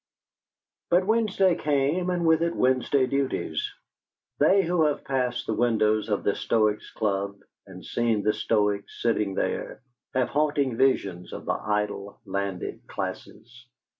But Wednesday came, and with it Wednesday duties. They who have passed the windows of the Stoics' Club and seen the Stoics sitting there have haunting visions of the idle landed classes.